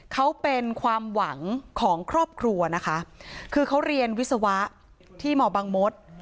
เขาเป็นความหวังของครอบครัวนะคะคือเขาเรียนวิศวะที่มบังมศ